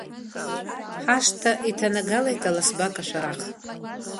Ҳашҭа иҭанагалеит аласба кашәарах.